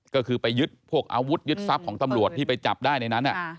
ก็คือไปยึดพวกอาวุธยึดทรัพย์ของตำรวจที่ไปจับได้ในนั้น